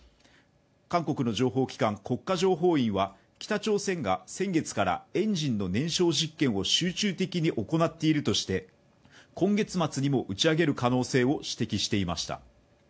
韓国の情報機関・国家情報院は北朝鮮が先月からエンジンの燃焼実験を集中的に行っているとして今月末にも打ち上げる可能性を指摘していました。